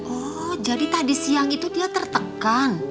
oh jadi tadi siang itu dia tertekan